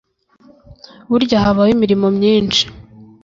- burya habaho imirimo myinshi